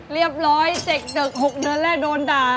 เรียบร้อย๗ดึก๖เดือนแรกโดนด่า